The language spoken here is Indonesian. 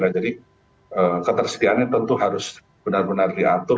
jadi ketersediaannya tentu harus benar benar diatur